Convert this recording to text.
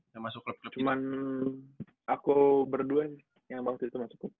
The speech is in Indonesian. cuma aku berdua yang banget itu masuknya